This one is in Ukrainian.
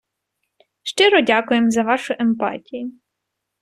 Щиро дякуємо за вашу емпатію.